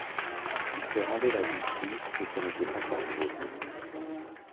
Il se rendait la justice que ce n'était pas sa faute.